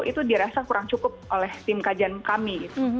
itu dirasa kurang cukup oleh tim kajian kami